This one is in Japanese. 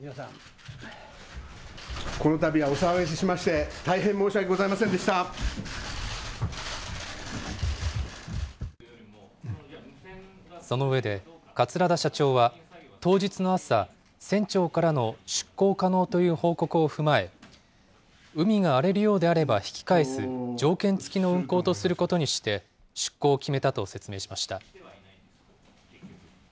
このたびはお騒がせしまして、その上で、桂田社長は当日の朝、船長からの出航可能という報告を踏まえ、海が荒れるようであれば引き返す、条件付きの運航とすることにして、出航を決めたと説明しました。